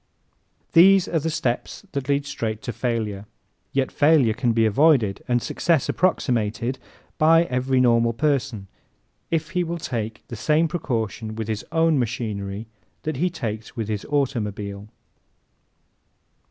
These are the steps that lead straight to failure. Yet failure can be avoided and success approximated by every normal person if he will take the same precaution with his own machinery that he takes with his automobile.